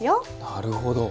なるほど。